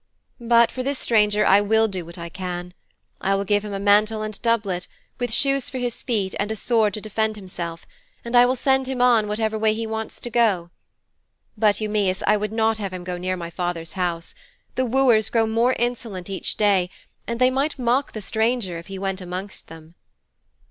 But for this stranger I will do what I can. I will give him a mantle and doublet, with shoes for his feet and a sword to defend himself, and I will send him on whatever way he wants to go. But, Eumæus, I would not have him go near my father's house. The wooers grow more insolent each day, and they might mock the stranger if he went amongst them.'